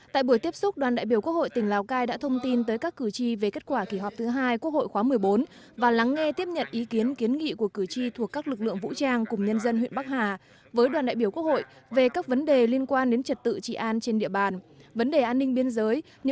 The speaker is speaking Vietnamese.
tại buổi tiếp xúc đoàn đại biểu quốc hội tỉnh lào cai đã thông tin tới các cử tri về kết quả kỳ họp thứ hai quốc hội khóa một mươi bốn và lắng nghe tiếp nhận ý kiến kiến nghị của cử tri thuộc các lực lượng vũ trang cùng nhân dân huyện bắc hà với đoàn đại biểu quốc hội về các vấn đề liên quan đến trật tự trị an trên địa bàn vấn đề an ninh biên giới